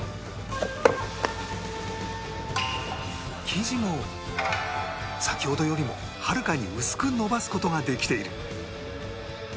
生地も先ほどよりもはるかに薄く延ばす事ができている